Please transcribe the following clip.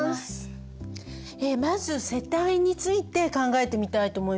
まず世帯について考えてみたいと思います。